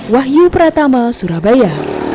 wahyu pratama surabaya